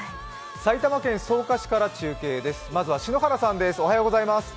埼玉県草加市から中継です。